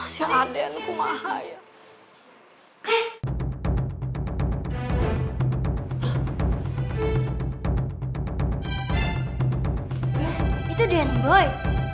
jangan jangan jangan